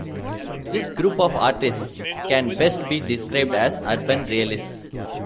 This group of artists can best be described as urban realists.